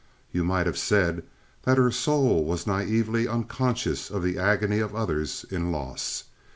You might have said that her soul was naively unconscious of the agony of others in loss.